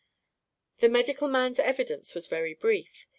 The medical man's evidence was very brief.